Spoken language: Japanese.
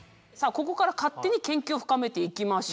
ここから勝手に研究を深めていきましょうと。